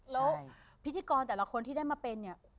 แล้วพิธีกรแต่ละคนที่ได้มาเป็นเนี่ย